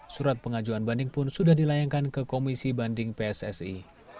surat pengajuan banding pun sudah dilayangkan ke komisi banding pssi